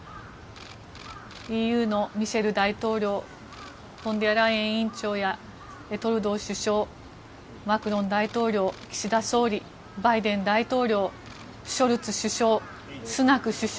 ＥＵのミシェル大統領フォンデアライエン委員長やトルドー首相、マクロン大統領岸田総理バイデン大統領、ショルツ首相スナク首相。